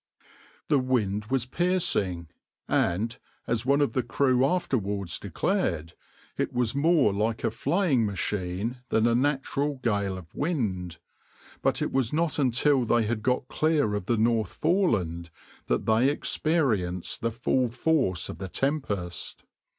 \par The wind was piercing, and, as one of the crew afterwards declared, it was more like a flaying machine than a natural gale of wind; but it was not until they had got clear of the North Foreland that they experienced the full force of the tempest.